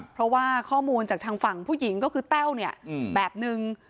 เพราะว่าข้อมูลจากทางฝั่งผู้หญิงก็คือแต้วเนี่ยแบบนึง